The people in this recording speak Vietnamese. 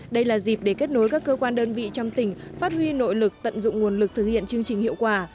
đây là dịp để kết nối các cơ quan đơn vị trong tỉnh phát huy nội lực tận dụng nguồn lực thực hiện chương trình hiệu quả